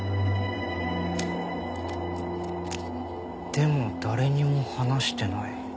でも誰にも話してない。